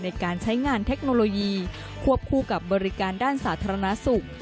ในการใช้งานเทคโนโลยีควบคู่กับบริการด้านสาธารณสุข